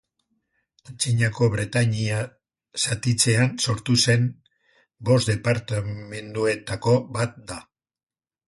Antzinako Bretainia zatitzean sortu zen bost departamenduetako bat da.